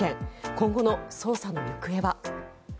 今後の捜査の行方は。